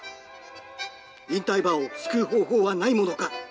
引退馬を救う方法はないものか？